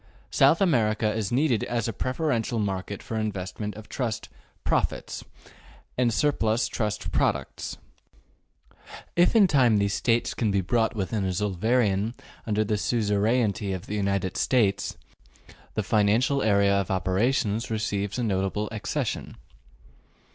South America is needed as a preferential market for investment of trust ``profits'' and surplus trust products: if in time these states can be brought within a Zollverein under the suzerainty of the United States, the financial area of operations receives a notable accession.